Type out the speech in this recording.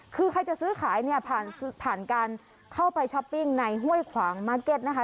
คือใครจะซื้อขายเนี้ยผ่านผ่านการเข้าไปในห้วยขวางนะคะ